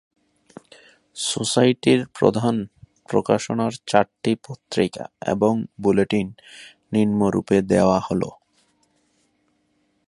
সোসাইটির প্রধান প্রকাশনার চারটি পত্রিকা এবং বুলেটিন নিম্নরূপে দেওয়া হল।